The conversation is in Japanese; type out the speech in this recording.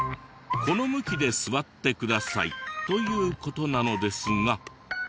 この向きで座ってくださいという事なのですが。